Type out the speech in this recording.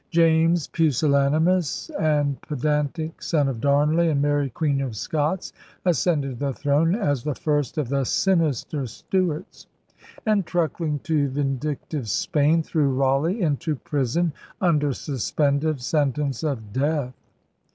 James, pusillanimous and pedantic son of Darnley and Mary Queen of Scots, ascended the throne as the first of the sinister Stuarts, and, truckling to vindictive Spain, threw Raleigh into prison under suspended sentence of death.